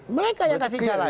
mereka yang kasih jalan